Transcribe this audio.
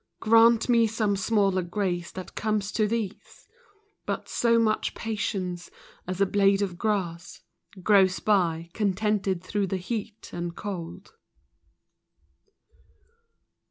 Grant me some smaller grace than comes to these :— But so much patience, as a blade of grass Grows by, contented through the heat and cold.